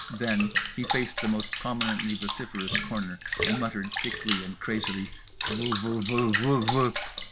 Then he faced the most prominently vociferous corner and muttered thickly and crazily: "_Wuhwuhwuhwuhwuh….